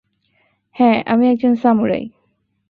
হ্যা, আমি একজন সামুরাই!